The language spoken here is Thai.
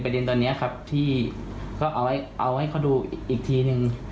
เป็นประเด็นตอนนี้ครับที่ก็เอาให้เอาให้เขาดูอีกทีหนึ่ง